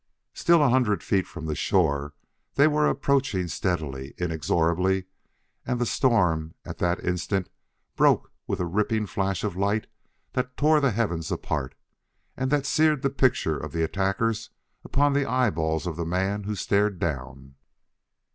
Still a hundred feet from the shore, they were approaching steadily, inexorably; and the storm, at that instant, broke with a ripping flash of light that tore the heavens apart, and that seared the picture of the attackers upon the eyeballs of the man who stared down.